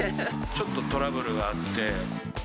ちょっとトラブルがあって。